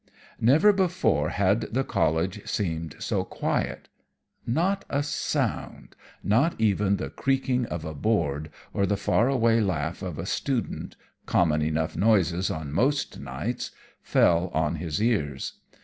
Never before had the College seemed so quiet. Not a sound not even the creaking of a board or the far away laugh of a student, common enough noises on most nights fell on his ears.